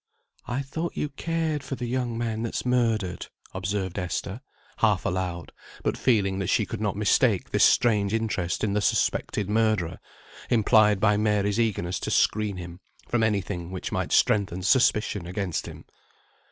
"I thought you cared for the young man that's murdered," observed Esther, half aloud; but feeling that she could not mistake this strange interest in the suspected murderer, implied by Mary's eagerness to screen him from any thing which might strengthen suspicion against him.